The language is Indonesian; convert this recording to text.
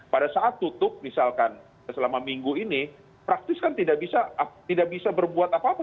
pada saat tutup misalkan selama minggu ini praktis kan tidak bisa berbuat apa apa